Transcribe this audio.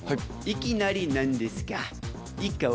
いきなりなんですが。